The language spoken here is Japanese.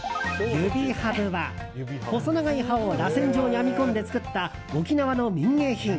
指ハブは、細長い葉をらせん状に編み込んで作った沖縄の民芸品。